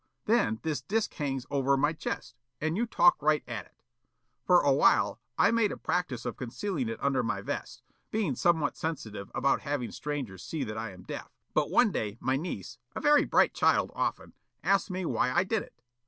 Then this disc hangs over my chest and you talk right at it. For awhile I made a practice of concealing it under my vest, being somewhat sensitive about having strangers see that I am deaf, but one day my niece, a very bright child often, asked me why I did it.